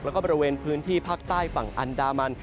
แล้วก็บริเวณพื้นที่ภาคใต้ฝั่งอันดามัน